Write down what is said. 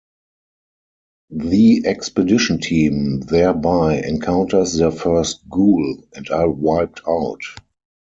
The expedition team thereby encounters their first "Ghoul" and are wiped out.